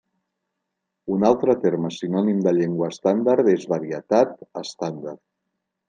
Un altre terme sinònim de llengua estàndard és varietat estàndard.